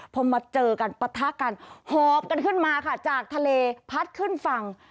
พอมาเจอกันปะทะกันหอบกันขึ้นมาค่ะจากทะเลพัดขึ้นฝั่ง